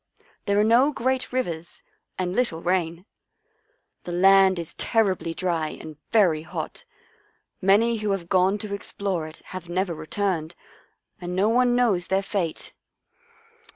There are no great rivers and little rain. The land is terribly dry and very hot. Many who have gone to explore it have never returned and no one knows their fate.